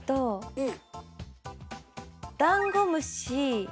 うん。